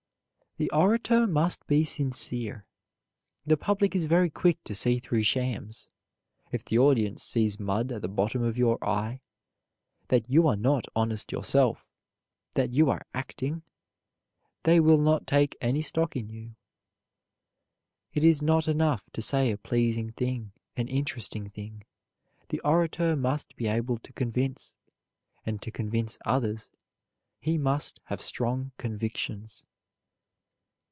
The orator must be sincere. The public is very quick to see through shams. If the audience sees mud at the bottom of your eye, that you are not honest yourself, that you are acting, they will not take any stock in you. It is not enough to say a pleasing thing, an interesting thing, the orator must be able to convince; and to convince others he must have strong convictions.